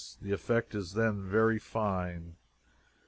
The effect is then very fine.